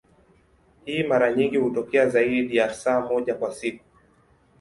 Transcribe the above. Hii mara nyingi hutokea zaidi ya saa moja kwa siku.